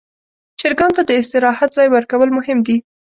چرګانو ته د استراحت ځای ورکول مهم دي.